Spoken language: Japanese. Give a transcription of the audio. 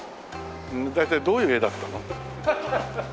大体どういう絵だったの？